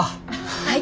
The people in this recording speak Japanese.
はい！